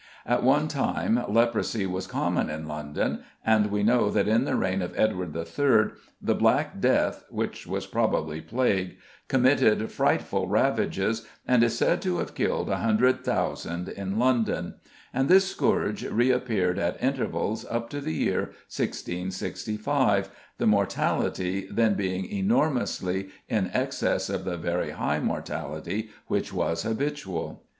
At one time leprosy was common in London, and we know that in the reign of Edward III. the "black death," which was probably plague, committed frightful ravages, and is said to have killed 100,000 in London; and this scourge reappeared at intervals up to the year 1665, the mortality then being enormously in excess of the very high mortality which was habitual.